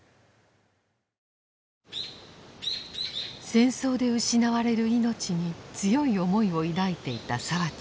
戦争で失われる命に強い思いを抱いていた澤地さん。